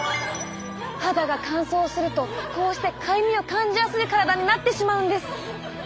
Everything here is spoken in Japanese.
肌が乾燥するとこうしてかゆみを感じやすい体になってしまうんです。